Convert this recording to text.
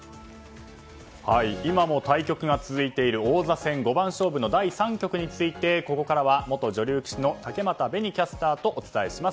今も対局が続いている王座戦五番勝負の第３局についてここからは元女流棋士の竹俣紅キャスターとお伝えします。